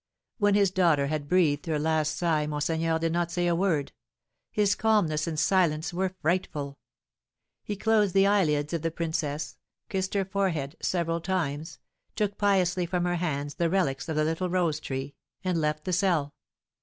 When his daughter had breathed her last sigh, monseigneur did not say a word; his calmness and silence were frightful. He closed the eyelids of the princess, kissed her forehead several times, took piously from her hands the relics of the little rose tree, and left the cell.